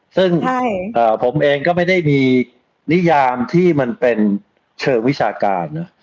ซึ่งผมเองก็ไม่ได้มีนิยามที่มันเป็นเชิงวิชาการนะ